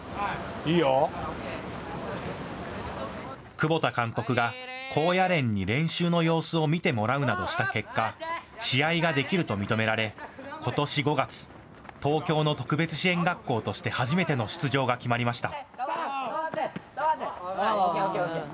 久保田監督が高野連に練習の様子を見てもらうなどした結果、試合ができると認められことし５月、東京の特別支援学校として初めての出場が決まりました。